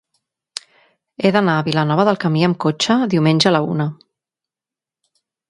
He d'anar a Vilanova del Camí amb cotxe diumenge a la una.